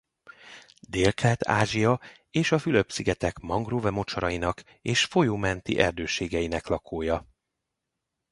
Délkelet-Ázsia és a Fülöp-szigetek mangrove mocsarainak és folyó menti erdőségeinek lakója.